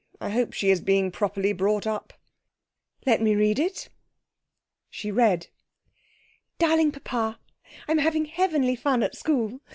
I hope she's being properly brought up!' 'Let me read it.' She read 'DARLING PAPA, 'I'm having heavenly fun at school.